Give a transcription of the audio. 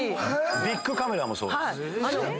ビックカメラもそうです。